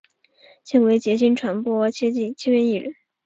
现为杰星传播签约艺人。